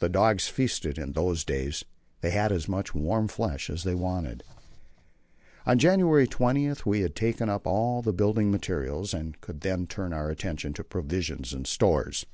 The dogs feasted in those days they had as much warm flesh as they wanted. On January 20 we had taken up all the building materials, and could then turn our attention to provisions and stores.